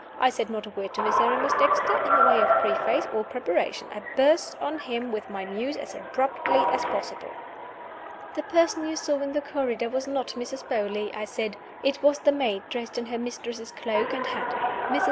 I said not a word to Miserrimus Dexter in the way of preface or preparation: I burst on him with my news as abruptly as possible. "The person you saw in the corridor was not Mrs. Beauly," I said. "It was the maid, dressed in her mistress's cloak and hat. Mrs.